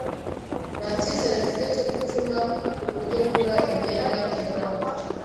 Nta cyizere mfite cyo gucuma kuburyo ngura imyenda ihoraho.